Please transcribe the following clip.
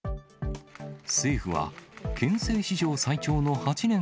政府は憲政史上最長の８年８